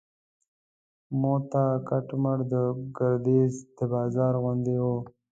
موته کټ مټ د ګردیز د بازار غوندې و.